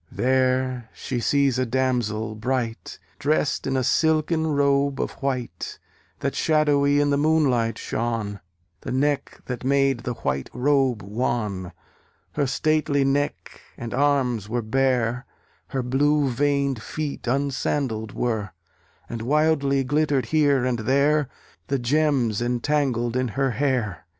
There she sees a damsel bright, Drest in a silken robe of white, That shadowy in the moonlight shone: The neck that made that white robe wan, Her stately neck, and arms were bare; Her blue veined feet unsandal'd were, And wildly glittered here and there The gems entangled in her hair.